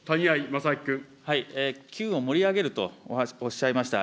機運を盛り上げるとおっしゃいました。